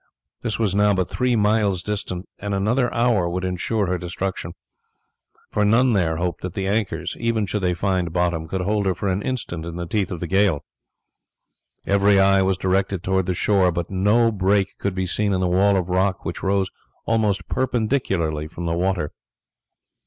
This was now but three miles distant, and another hour would ensure her destruction; for none there hoped that the anchors, even should they find bottom, could hold her for an instant in the teeth of the gale. Every eye was directed towards the shore, but no break could be seen in the wall of rock which rose almost perpendicularly from the water.